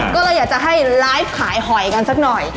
ก็เลยอยากจะให้ไลฟ์ขายหอยกันสักหน่อย